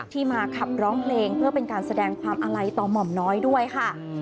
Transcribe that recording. มาขับร้องเพลงเพื่อเป็นการแสดงความอาลัยต่อหม่อมน้อยด้วยค่ะ